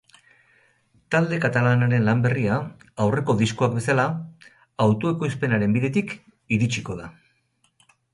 Talde katalanaren lan berria, aurreko diskoak bezala, autoekoizpenaren bidetik iritsiko da.